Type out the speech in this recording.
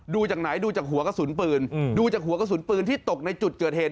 ดูจากไหนดูจากหัวกระสุนปืนดูจากหัวกระสุนปืนที่ตกในจุดเกิดเหตุ